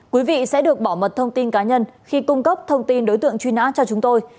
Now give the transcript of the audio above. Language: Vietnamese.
quý vị sẽ được bảo mật thông tin cá nhân khi cung cấp thông tin đối tượng truy nã cho chúng tôi